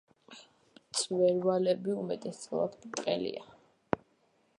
მწვერვალები უმეტესწილად ბრტყელია.